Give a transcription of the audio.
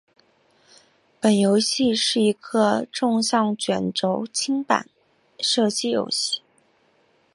本游戏是一个纵向卷轴清版射击游戏。